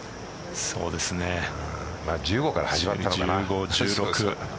１５から始まったのかな。